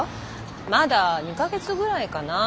まだ２か月ぐらいかな。